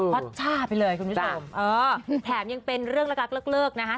อตช่าไปเลยคุณผู้ชมเออแถมยังเป็นเรื่องรักเลิกนะฮะ